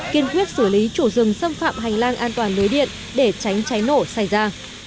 kiên quyết xử lý chủ rừng xâm phạm hành lang an toàn lưới điện để tránh cháy nổ xảy ra